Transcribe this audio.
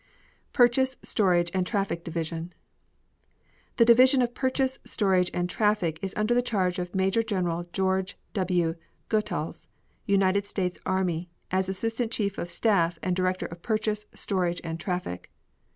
PURCHASE, STORAGE AND TRAFFIC DIVISION The Division of Purchase, Storage and Traffic is under the charge of Major General George W. Goethals, United States army, as Assistant Chief of Staff and Director of Purchase, Storage and Traffic.